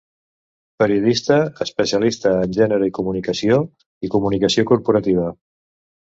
Periodista, especialista en gènere i comunicació i comunicació corporativa.